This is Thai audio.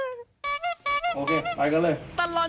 โอเคไปกันเลย